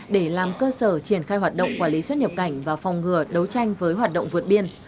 để làm cơ sở triển khai hoạt động quản lý xuất nhập cảnh và phòng ngừa đấu tranh với hoạt động vượt biên